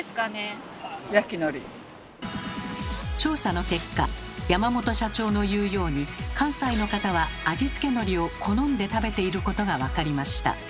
調査の結果山本社長の言うように関西の方は味付けのりを好んで食べていることが分かりました。